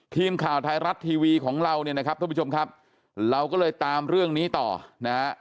ทีมข่าวไทยรัฐทีวีของเราเนี่ยนะครับท่านผู้ชมครับเราก็เลยตามเรื่องนี้ต่อนะฮะ